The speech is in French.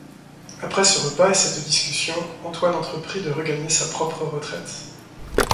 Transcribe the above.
Après ce repas et cette discussion, Antoine entreprit de regagner sa propre retraite.